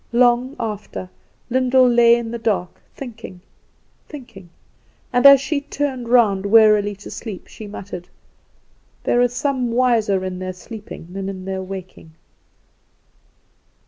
Long after Lyndall lay in the dark thinking, thinking, thinking; and as she turned round wearily to sleep she muttered: "There are some wiser in their sleeping than in their waking."